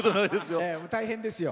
大変ですよ。